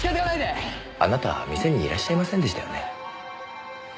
あなたは店にいらっしゃいませんでしたよね？